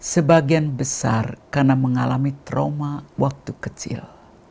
sebagian besar karena mengalami trauma waktu kecil